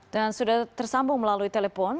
dan sudah tersambung melalui telepon